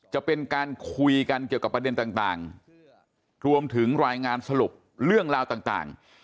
จะเป็นการคุยกันเกี่ยวกับประเด็นต่างรวมถึงรายงานสรุปเรื่องราวต่าง